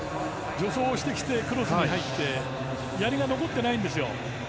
助走してきてクロスに入ってやりが残ってないんですよ。